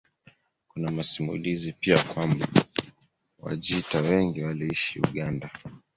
Kuna masimulizi pia kwamba Wajita wengi waliishi Uganda